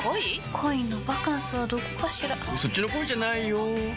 恋のバカンスはどこかしらそっちの恋じゃないよ